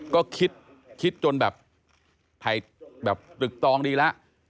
ก็คิดคิดจนแบบไทยแบบตรึกตองดีแล้ว